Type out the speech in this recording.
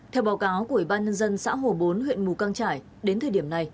theo báo cáo của ủy ban nhân dân xã hồ bốn huyện mù căng trải đến thời điểm này